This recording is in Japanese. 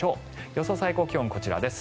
予想最高気温、こちらです。